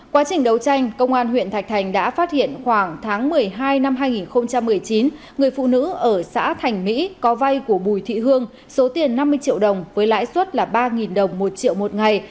quá trình đấu tranh công an huyện thạch thành đã phát hiện khoảng tháng một mươi hai năm hai nghìn một mươi chín người phụ nữ ở xã thành mỹ có vay của bùi thị hương số tiền năm mươi triệu đồng với lãi suất là ba đồng một triệu một ngày